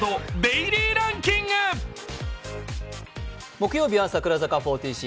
木曜日は櫻坂４６